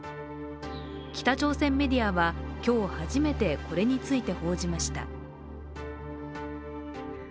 北朝鮮メディアは今日初めてこれについて報じました。